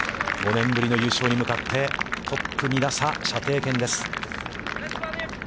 ５年ぶりの優勝に向かって、トップ２打差、射程圏内です。